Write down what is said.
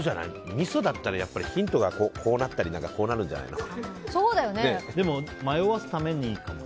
みそだったら、やっぱりヒントがこうなったりこうなるんじゃないの？